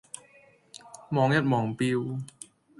望一望錶